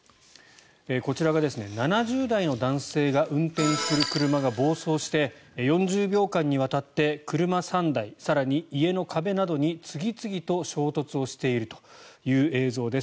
こちらが７０代の男性が運転する車が暴走して４０秒間にわたって車３台更に家の壁などに次々と衝突をしているという映像です。